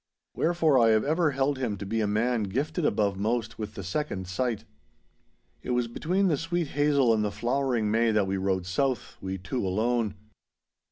Wherefore I have ever held him to be a man gifted above most with the second sight. It was between the sweet hazel and the flowering May that we rode south—we two alone.